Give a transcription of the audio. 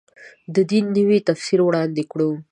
د دین نوی تفسیر وړاندې کړو.